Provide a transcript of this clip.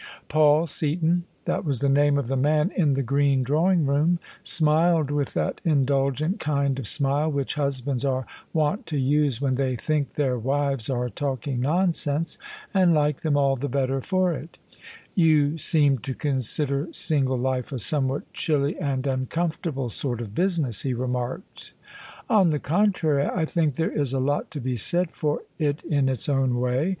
Paul Seaton (that was the name of the man in the green drawing room) smiled with that indulgent kind of smile which husbands are wont to use when they think their wives are talking nonsense and like them all the better for it ''You seem to consider single life a somewhat chilly and uncomfortable sort of business," he remarked. " On the contrary: I think there is a lot to be said for it in its own way.